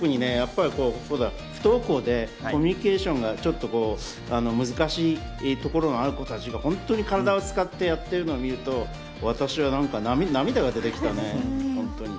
不登校でコミュニケーションがちょっと難しいところがある子たちが体を使ってやっているの見ると私は涙が出てきましたね。